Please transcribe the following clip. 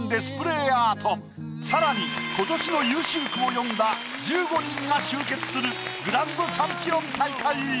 更に今年の優秀句を詠んだ１５人が集結するグランドチャンピオン大会。